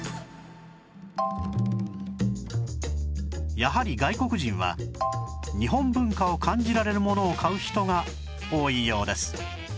やはり外国人は日本文化を感じられるものを買う人が多いようです